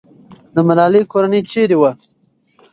د ملالۍ کورنۍ چېرته وه؟